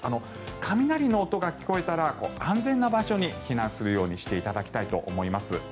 雷の音が聞こえたら安全な場所に避難するようにしていただきたいと思います。